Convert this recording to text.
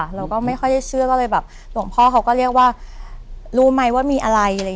เราก็ไม่ค่อยได้เชื่อก็เลยแบบหลวงพ่อเขาก็เรียกว่ารู้ไหมว่ามีอะไรอะไรอย่างนี้